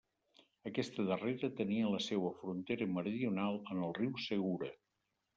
Aquesta darrera, tenia la seua frontera meridional en el riu Segura.